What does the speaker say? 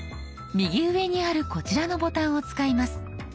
右上にあるこちらのボタンを使います。